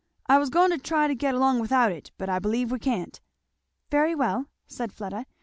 I was a goin' to try to get along without it; but I believe we can't." "Very well," said Fleda.